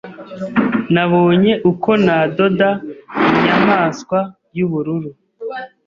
Nabonye uko nadoda inyamaswa yubururu